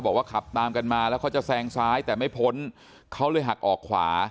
ขับตามกันมาแล้วเขาจะแซงซ้ายแต่ไม่พ้นเขาเลยหักออกขวา